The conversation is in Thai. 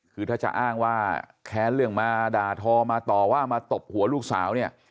คือถ้าจะอ้างว่าแค้นเรื่องมาด่าทอมาต่อว่ามาตบหัวลูกสาวเนี่ย